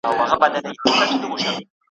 قوماندان وايی بری دی ځو پر لنډه لار رسیږو `